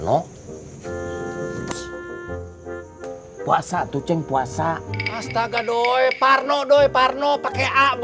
apa kasus langsung dia valued